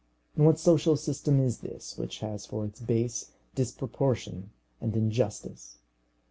And what social system is this which has for its base disproportion and injustice?